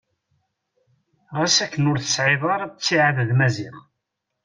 Ɣas akken ur tesɛi ara ttiɛad d Maziɣ.